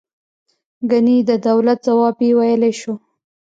ګنې د دولت ځواب یې ویلای شو.